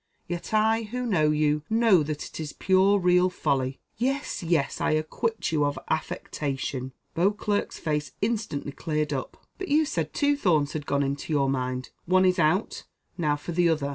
Yet I, who know you, know that it is pure real folly. Yes, yes, I acquit you of affectation." Beauclerc's face instantly cleared up. "But you said two thorns had gone into your mind one is out, now for the other."